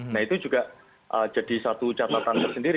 nah itu juga jadi satu catatan tersendiri